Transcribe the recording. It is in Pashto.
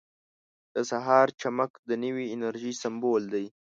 • د سهار چمک د نوې انرژۍ سمبول دی.